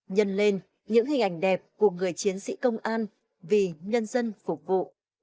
nhân lên những hình ảnh đẹp của người chiến sĩ công an vì nhân dân phục vụ